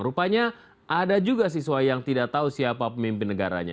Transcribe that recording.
rupanya ada juga siswa yang tidak tahu siapa pemimpin negaranya